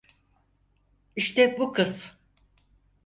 İşte bu kız.